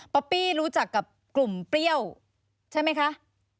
ปี้รู้จักกับกลุ่มเปรี้ยวใช่ไหมคะ